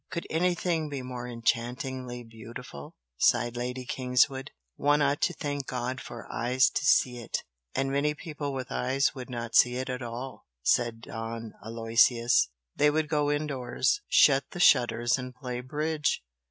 "Could anything be more enchantingly beautiful!" sighed Lady Kingswood "One ought to thank God for eyes to see it!" "And many people with eyes would not see it at all," said Don Aloysius "They would go indoors, shut the shutters and play Bridge!